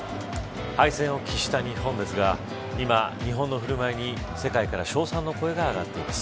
敗戦を喫した日本ですが今、日本の振る舞いに世界から称賛の声が上がっています。